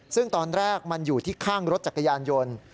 ซึ่งตอนแรกมันอยู่ที่ข้างรถจักรยานยนต์